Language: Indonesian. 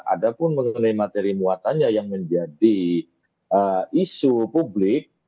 ada pun mengenai materi muatannya yang menjadi isu publik